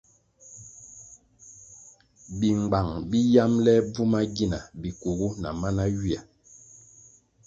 Bingbang bi yamble bvuma gina bikugu na mana ywia.